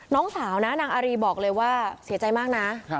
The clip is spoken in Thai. น้องสาวนะนางอารีบอกเลยว่าเสียใจมากนะ